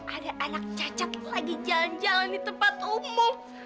ada anak cacat lagi jalan jalan di tempat umum